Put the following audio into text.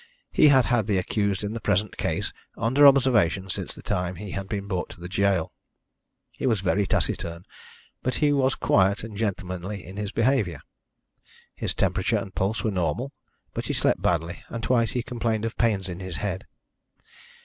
He had had the accused in the present case under observation since the time he had been brought to the gaol. He was very taciturn, but he was quiet and gentlemanly in his behaviour. His temperature and pulse were normal, but he slept badly, and twice he complained of pains in the head.